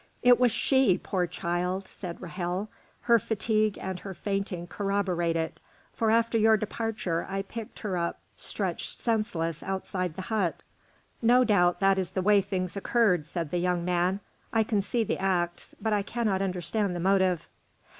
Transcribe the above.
"It was she, poor child!" said Ra'hel; "her fatigue and her fainting corroborate it, for after your departure I picked her up stretched senseless outside the hut." "No doubt that is the way things occurred," said the young man. "I can see the acts, but I cannot understand the motive."